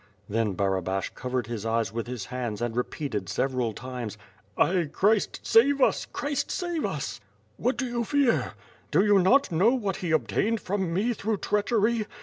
Then Barabash covered his eyes with his hands and re peated several times: "Ay, Christ' save us! Christ save us!" '^hat do you fear?" ^T)o you not know what he obtained from me through treachery?